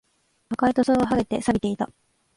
赤い塗装は剥げて、錆びていた